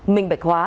minh bạch hóa